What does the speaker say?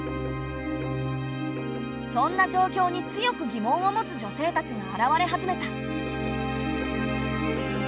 そんな状況に強く疑問を持つ女性たちが現れ始めた。